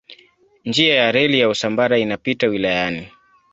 Njia ya reli ya Usambara inapita wilayani.